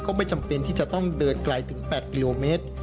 ไม่จำเป็นที่จะต้องเดินไกลถึง๘กิโลเมตร